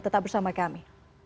tetap bersama kami